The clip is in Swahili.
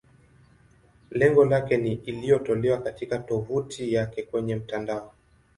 Lengo lake ni iliyotolewa katika tovuti yake kwenye mtandao.